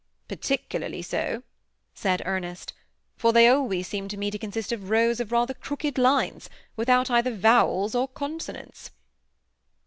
"Particularly so," said Ernest, "for they always seem to me to consist of rows of rather crooked lines, without either vowels or consonants."